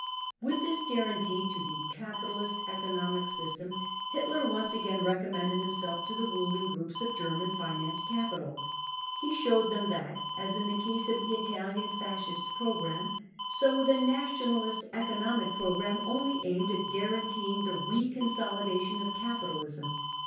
35 i With this guarantee to the capitalist economic systerfi Hitler once again recommended himself to the ruling groups of German finance capital. He showed them that* as in the case of the Italian Fascist programme, so the nationalist; economic programme only aimed at guaranteeing the re consolidation of capitalism.